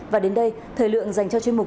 và đến đây thời lượng dành cho chuyên mục